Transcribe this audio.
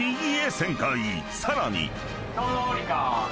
［さらに］